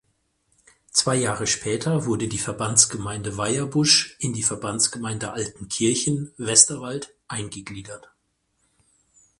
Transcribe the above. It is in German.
Zwei Jahre später wurde die Verbandsgemeinde Weyerbusch in die Verbandsgemeinde Altenkirchen (Westerwald) eingegliedert.